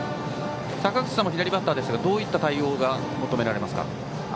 坂口さんも左バッターですがどういった対応が求められますか？